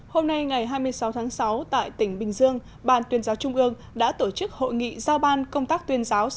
hôm nay ngày hai mươi sáu tháng sáu tại tỉnh bình dương ban tuyên giáo trung ương đã tổ chức hội nghị giao ban công tác tuyên giáo